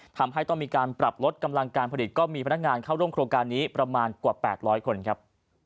ทำให้ต้องมีการปรับลดกำลังการผลิตก็มีพนักงานเข้าร่วมโครงการนี้ประมาณกว่า๘๐๐คนครับ